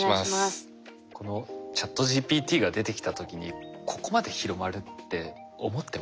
このＣｈａｔＧＰＴが出てきた時にここまで広まるって思ってましたか？